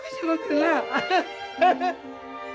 アハハハ。